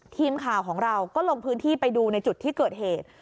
ทีมข่าวของเราก็ลงพื้นที่ไปดูในจุดที่เกิดเหตุ